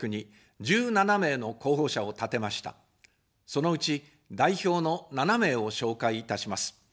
そのうち、代表の７名を紹介いたします。